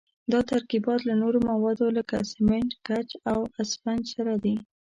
دا ترکیبات له نورو موادو لکه سمنټ، ګچ او اسفنج سره دي.